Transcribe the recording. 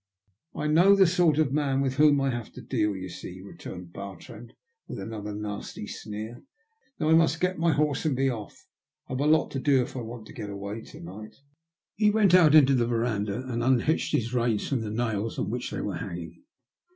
" I know the sort of man with whom I have to deal, you see," returned Bartrand with another nasty sneer. '* Now I must get my horse and be ofif. I've a lot to do if I want to get away to night." He went out into the verandah and unhitched his reins from the nails on which they were hanging.